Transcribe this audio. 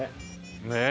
ねえ。